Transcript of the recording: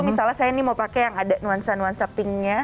misalnya saya ini mau pakai yang ada nuansa nuansa pinknya